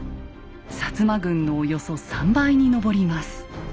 摩軍のおよそ３倍に上ります。